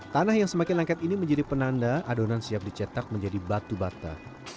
tanah yang semakin lengket ini menjadi penanda adonan siap dicetak menjadi batu bata